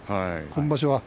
今場所は。